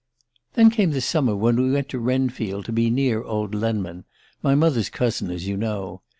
"Then came the summer when we went to Wrenfield to be near old Lenman my mother's cousin, as you know.